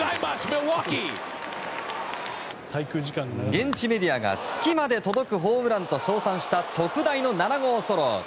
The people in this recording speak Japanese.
現地メディアが月まで届くホームランと称賛した特大の７号ソロ。